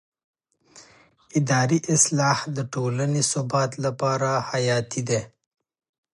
اداري اصلاح د ټولنې ثبات لپاره حیاتي دی